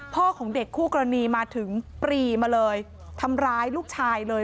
ของเด็กคู่กรณีมาถึงปรีมาเลยทำร้ายลูกชายเลย